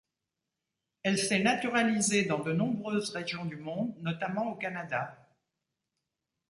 Elle s'est naturalisée dans de nombreuses régions du monde, notamment au Canada.